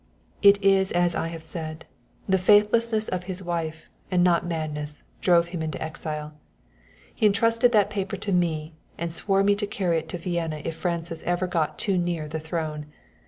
"It is as I have said. The faithlessness of his wife, and not madness, drove him into exile. He intrusted that paper to me and swore me to carry it to Vienna if Francis ever got too near the throne.